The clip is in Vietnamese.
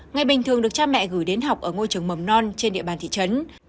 ngày bình thường được cha mẹ gửi đến học ở ngôi trường mầm non trên địa bàn thị trấn